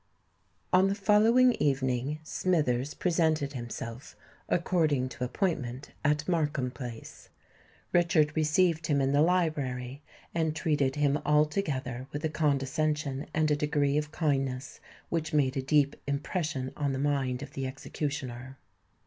On the following evening Smithers presented himself, according to appointment, at Markham Place. Richard received him in the library, and treated him altogether with a condescension and a degree of kindness which made a deep impression on the mind of the executioner.